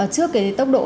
trước cái tốc độ